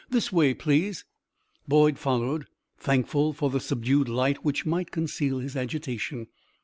This way, please." Boyd followed, thankful for the subdued light which might conceal his agitation.